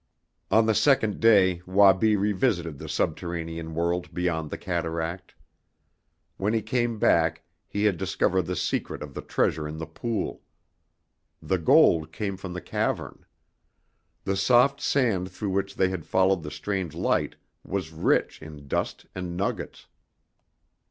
On the second day Wabi revisited the subterranean world beyond the cataract. When he came back he had discovered the secret of the treasure in the pool. The gold came from the cavern. The soft sand through which they had followed the strange light was rich in dust and nuggets.